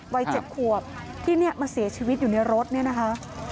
วัย๗ขวบที่เนี่ยมาเสียชีวิตอยู่ในรถเนี่ยนะคะ